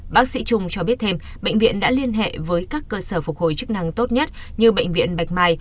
bác sĩ trung cho biết thêm bệnh viện đã liên hệ với các cơ sở phục hồi chức năng tốt nhất như bệnh viện bạch mai